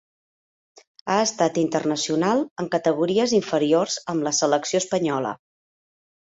Ha estat internacional en categories inferiors amb la selecció espanyola.